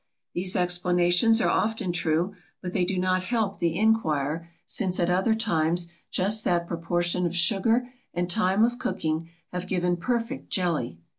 These explanations are often true; but they do not help the inquirer, since at other times just that proportion of sugar and time of cooking have given perfect jelly.